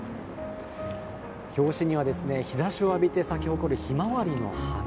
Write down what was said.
表紙には、日ざしを浴びて咲き誇るひまわりの花。